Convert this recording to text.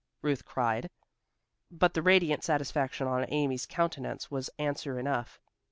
Ruth cried, but the radiant satisfaction on Amy's countenance was answer enough.